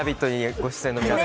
ご出演の皆さん。